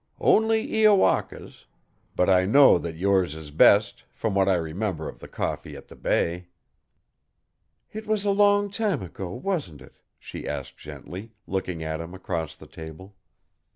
"Only Iowaka's. But I know that yours is best, from what I remember of the coffee at the bay." "It was a long time ago, wasn't it?" she asked gently, looking at him across the table.